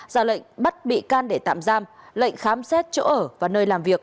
ra lệnh bắt bị can để tạm giam lệnh khám xét chỗ ở và nơi làm việc